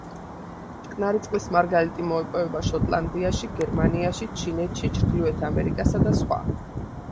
მტკნარი წყლის მარგალიტი მოიპოვება შოტლანდიაში, გერმანიაში, ჩინეთში, ჩრდილოეთ ამერიკასა და სხვა.